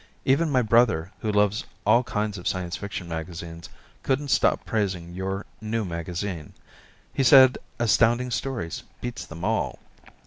Even my brother who loves all kinds of Science Fiction magazines couldn't stop praising your new magazine. He said Astounding Stories beats them all.